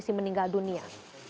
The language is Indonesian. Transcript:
kondisi meninggal dunia